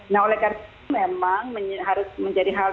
nah oleh karena itu memang harus menjadi hal